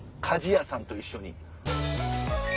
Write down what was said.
鍛冶屋さんと一緒に。